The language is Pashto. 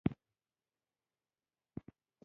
د دې زهرو له امله به صحت ورو ورو خرابېده.